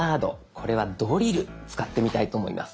これは「ドリル」使ってみたいと思います。